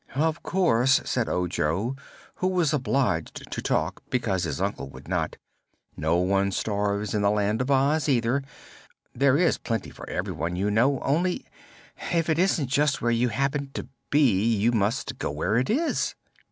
"Of course," said Ojo, who was obliged to talk because his uncle would not, "no one starves in the Land of Oz, either. There is plenty for everyone, you know; only, if it isn't just where you happen to be, you must go where it is."